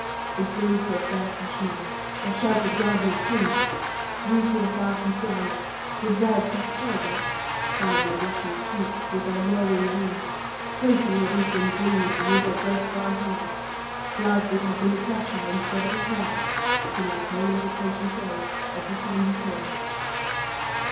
In groves of fair Cashmere, or sheltered garden of kings, Sweet with a thousand flowers, with birds of paradise Fanning her blushing cheeks with their glowing wings, Praising her deepening bloom with their great bright eyes, Life would have been a pleasure instead of a toil, To my pale little patient rose of the sandy soil.